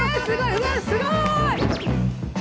うわすごい。